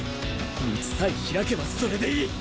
道さえ開けばそれでいい